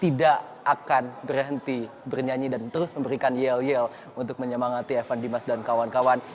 tidak akan berhenti bernyanyi dan terus memberikan yel yel untuk menyemangati evan dimas dan kawan kawan